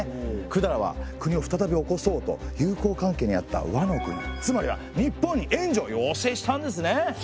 百済は国を再びおこそうと友好関係にあった倭の国つまりは日本に援助を要請したんですね。